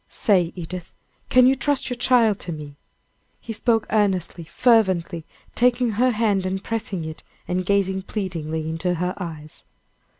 Say, Edith, can you trust your child to me?" He spoke earnestly, fervently, taking her hand and pressing it, and gazing pleadingly into her eyes.